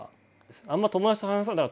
あんま友達と話さなかった。